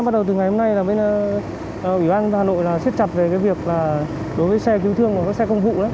bắt đầu từ ngày hôm nay là bên ủy ban hà nội là xếp chặt về việc đối với xe cứu thương và các xe công thụ